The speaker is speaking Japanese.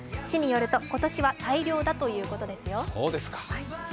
市によると今年は大漁だということですよ。